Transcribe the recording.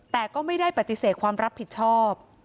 แต่ก็ไม่ได้ปฏิเสธความรับผิดชอบ